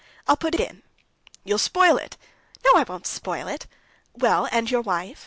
"I'll put it in." "You'll spoil it!" "No, I won't spoil it! Well, and your wife?"